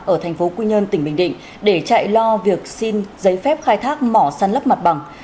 ở thành phố quy nhơn tỉnh bình định để chạy lo việc xin giấy phép khai thác mỏ săn lấp mặt bằng